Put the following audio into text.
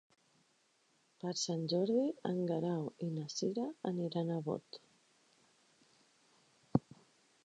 Per Sant Jordi en Guerau i na Cira aniran a Bot.